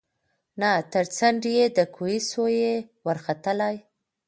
نه تر څنډی د کوهي سوای ورختلای